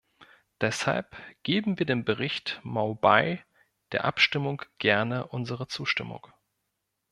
Deshalb geben wir dem Bericht Maubei der Abstimmung gerne unsere Zustimmung.